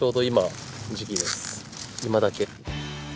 今だけ。